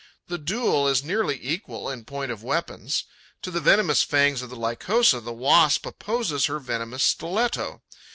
The duel is nearly equal in point of weapons. To the venomous fangs of the Lycosa the Wasp opposes her venomous stiletto.